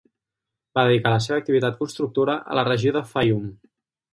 Va dedicar la seva activitat constructora a la regió de Faium.